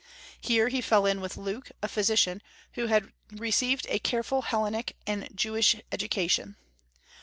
Here he fell in with Luke, a physician, who had received a careful Hellenic and Jewish education.